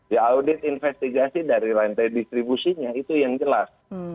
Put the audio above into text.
ya audit investigasi dari rantai distribusinya itu yang jelas